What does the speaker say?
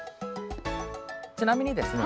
ちなみにですね